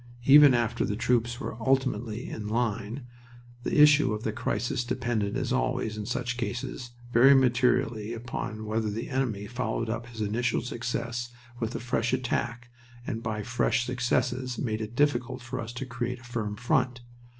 Even after the troops were ultimately in line the issue of the crisis depended, as always in such cases, very materially upon whether the enemy followed up his initial success with a fresh attack and by fresh successes made it difficult for us to create a firm front.